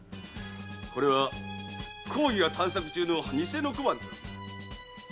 これは公儀が探索中の偽の小判だ！